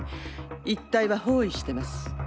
一帯は包囲してます。